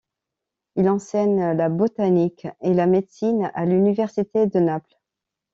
Il enseigne la botanique et la médecine à l’université de Naples.